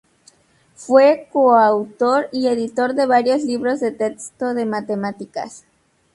Fue coautor y editor de varios libros de texto de matemáticas.